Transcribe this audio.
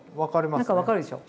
何か分かるでしょう？